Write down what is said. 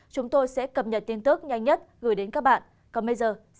chúng tôi sẽ cập nhật tin tức nhanh nhất gửi đến các bạn còn bây giờ xin chào và hẹn gặp lại